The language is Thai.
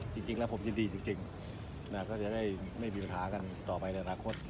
จริงแล้วผมยินดีจริงก็จะได้ไม่มีปัญหากันต่อไปในอนาคต